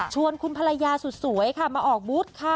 ชวนคุณภรรยาสุดมาออกบุ๊ตค่ะ